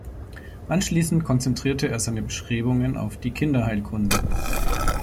Anschließend konzentrierte er seine Bestrebungen auf die Kinderheilkunde.